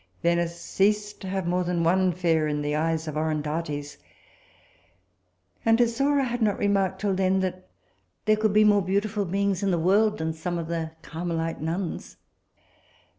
Venice ceased to have more than one fair in the eyes of Orondates, and Azora had not remarked till then that there could be more beautiful beings in the world than some of the Carmelite nuns.